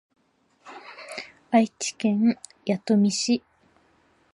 愛知県弥富市